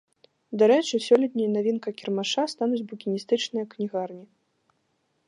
Дарэчы, сёлетняй навінкай кірмаша стануць букіністычныя кнігарні.